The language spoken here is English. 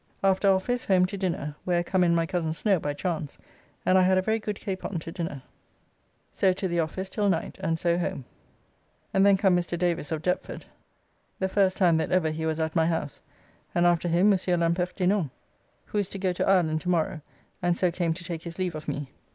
After office home to dinner, where come in my cozen Snow by chance, and I had a very good capon to dinner. So to the office till night, and so home, and then come Mr. Davis, of Deptford (the first time that ever he was at my house), and after him Mons. L'Impertinent, who is to go to Ireland to morrow, and so came to take his leave of me.